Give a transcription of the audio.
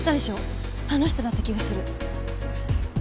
あの人だった気がする。